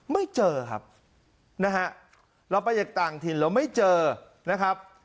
ไม่เจอครับนะฮะเราไปจากต่างถิ่นเราไม่เจอนะครับ